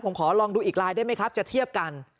ผมขอลองดูอีกลายได้ไหมครับจะเทียบกัน